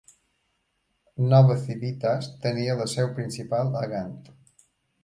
Nova Civitas tenia la seu principal a Gant.